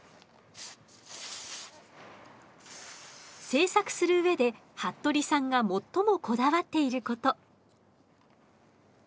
制作する上で服部さんが最もこだわっていること。